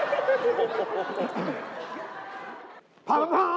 โธ่อะไรซาวครับ